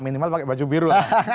minimal pakai baju biru